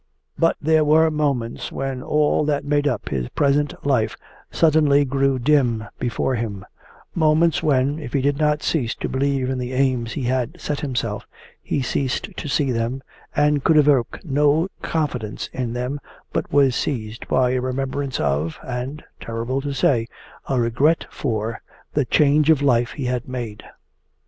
But there were moments when all that made up his present life suddenly grew dim before him, moments when, if he did not cease to believe in the aims he had set himself, he ceased to see them and could evoke no confidence in them but was seized by a remembrance of, and terrible to say a regret for, the change of life he had made.